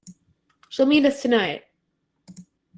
She'll meet us tonight.